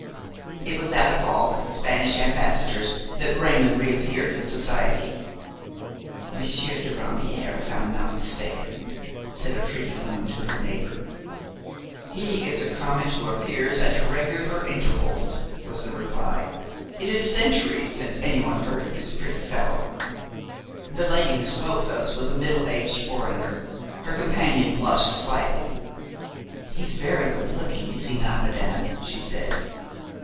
It was at a ball at the Spanish ambassador's that Raymon reappeared in society. "Monsieur de Ramière, if I am not mistaken," said a pretty woman to her neighbor. "He is a comet who appears at irregular intervals," was the reply. "It is centuries since any one heard of the pretty fellow." The lady who spoke thus was a middle aged foreigner. Her companion blushed slightly. "He's very good looking, is he not, madame?" she said.